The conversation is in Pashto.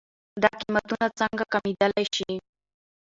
دا قيمتونه څنکه کمېدلی شي؟